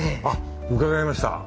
あっ伺いました。